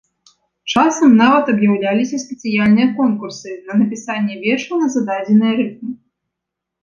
Часам нават аб'яўляліся спецыяльныя конкурсы на напісанне вершаў на зададзеныя рыфмы.